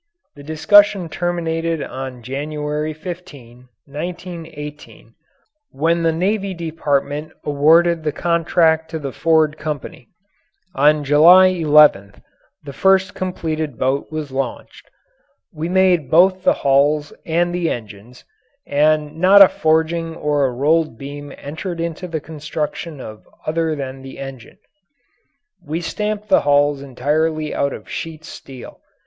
The discussion terminated on January 15, 1918, when the Navy Department awarded the contract to the Ford Company. On July 11th, the first completed boat was launched. We made both the hulls and the engines, and not a forging or a rolled beam entered into the construction of other than the engine. We stamped the hulls entirely out of sheet steel.